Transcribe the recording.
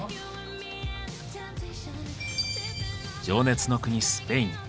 情熱の国スペイン。